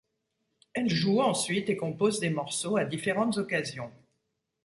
Elle joue ensuite et compose des morceaux à différentes occasions.